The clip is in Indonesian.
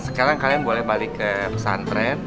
sekarang kalian boleh balik ke pesantren